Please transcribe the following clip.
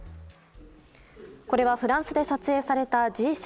これはフランスで撮影されたＧ７